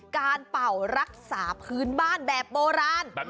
เป่ารักษาพื้นบ้านแบบโบราณ